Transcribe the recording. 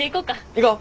行こう！